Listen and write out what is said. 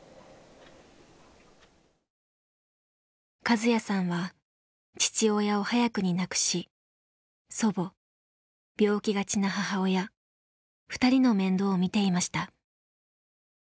カズヤさんは父親を早くに亡くし祖母病気がちな母親２人の面倒を見ていました。